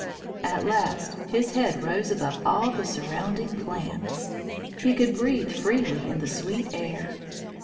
At last his head rose above all the surrounding plants. He could breathe freely in the sweet air.